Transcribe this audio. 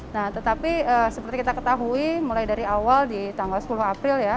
nah tetapi seperti kita ketahui mulai dari awal di tanggal sepuluh april ya